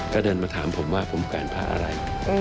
ก็เดินมาถามผมว่าผมแกวนภาคอะไร